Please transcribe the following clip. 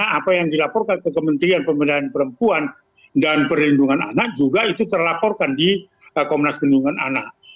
apa yang dilaporkan ke kementerian pemberdayaan perempuan dan perlindungan anak juga itu terlaporkan di komnas perlindungan anak